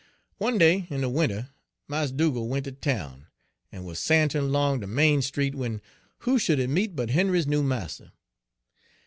"One day in de winter Mars Dugal' went ter town, en wuz santerin' 'long de Main Street, when who should he meet but Henry's noo marster.